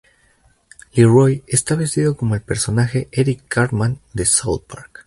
Leroy está vestido como el personaje Eric Cartman de South Park.